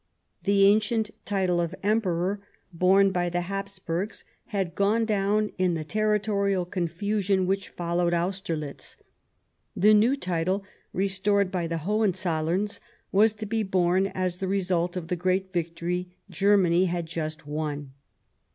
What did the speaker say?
The ancient title of Emperor, borne by the Haps burgs, had gone down in the territorial confusion which followed Austerlitz ; the new title, restored by the Hohenzollerns, was to be borne as the result of the great victory Germany had just won.